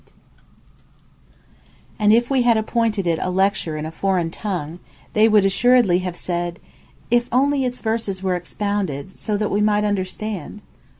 P: And if We had appointed it a Lecture in a foreign tongue they would assuredly have said: If only its verses were expounded (so that we might understand)?